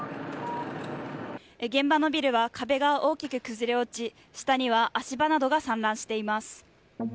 現場のビルは壁が大きく崩れ落ち下には足場などが散乱しています。